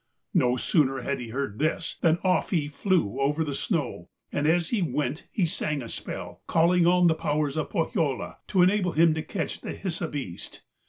No sooner had he heard this than off he flew over the snow, and as he went he sang a spell, calling on the powers of Pohjola to enable him to catch the Hisi beast.